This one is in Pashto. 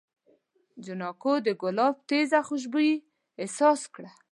جانکو د ګلاب تېزه خوشبويي احساس کړه.